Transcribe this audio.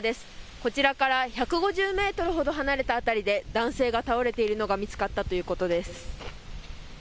こちらから１５０メートルほど離れた辺りで男性が倒れているのが見つかったということです。